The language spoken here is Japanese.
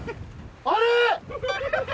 あれ！